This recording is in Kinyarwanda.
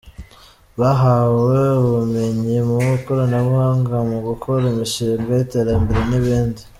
Bahawe ubumenyi mu ikoranabuhanga, mu gukora imishinga y’iterambere n’ibindi.